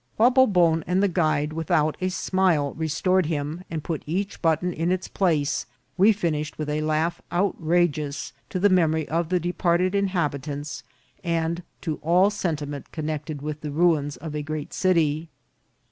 While Bobon and the guide, with out a smile, restored him, and put each button in its place, we finished with a laugh outrageous to the mem ory of the departed inhabitants, and to all sentiment connected with the ruins of a great city.